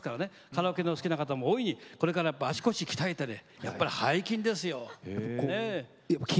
カラオケが好きな方も大いにこれからは足腰を鍛えてやっぱり背筋ですよ。